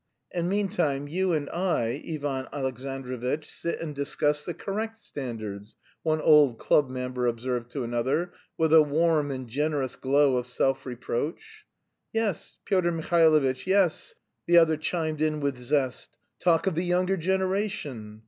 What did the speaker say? "And, meantime, you and I, Ivan Alexandrovitch, sit and discuss the correct standards," one old club member observed to another, with a warm and generous glow of self reproach. "Yes, Pyotr Mihailovitch, yes," the other chimed in with zest, "talk of the younger generation!"